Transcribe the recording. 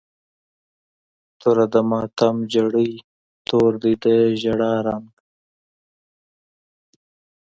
توره د ماتم جړۍ، تور دی د جړا رنګ